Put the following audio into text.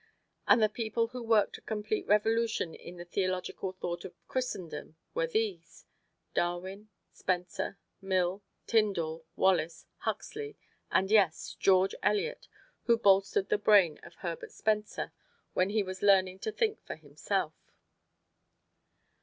And the people who worked a complete revolution in the theological thought of Christendom were these: Darwin, Spencer, Mill, Tyndall, Wallace, Huxley and, yes, George Eliot, who bolstered the brain of Herbert Spencer when he was learning to think for himself.